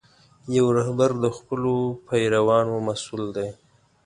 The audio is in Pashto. یو رهبر د خپلو پیروانو مسؤل دی.